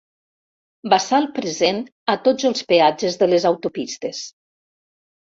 Bassal present a tots els peatges de les autopistes.